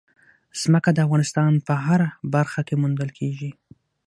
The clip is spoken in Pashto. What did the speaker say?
ځمکه د افغانستان په هره برخه کې موندل کېږي.